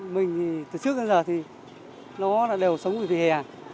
mình từ trước đến giờ thì nó là đều sống ở thủy hè